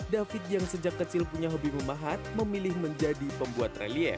david yang sejak kecil punya hobi memahat memilih menjadi pembuat relief